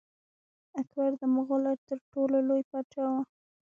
اکبر د مغولو تر ټولو لوی پاچا و.